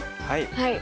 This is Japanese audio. はい。